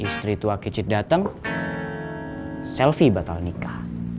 istri tua kicit dateng selvi batal nikah